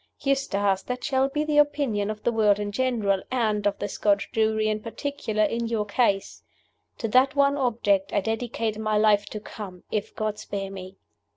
Eustace, that shall be the opinion of the world in general, and of the Scotch jury in particular, in your case. To that one object I dedicate my life to come, if God spare me!